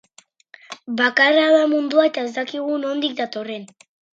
Bakarra da mundua, eta ez dakigu nondik datorren.